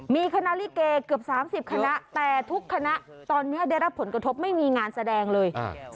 มีคณะลิเกเกือบ๓๐คณะแต่ทุกคณะตอนนี้ได้รับผลกระทบไม่มีงานแสดงเลย